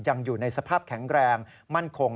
ยังอยู่ในสภาพแข็งแรงมั่นคง